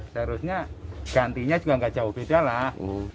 seharusnya gantinya juga nggak jauh beda lah